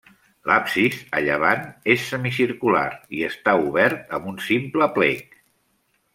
L'absis, a llevant, és semicircular i està obert amb un simple plec.